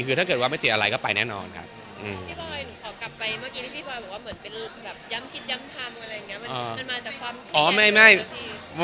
คือถ้าเกิดว่าไม่เจออะไรก็ไปแน่นอนครับ